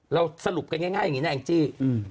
สรุปกันง่ายอย่างนี้นะแองจี้